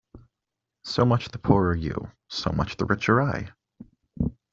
So much the poorer you; so much the richer I!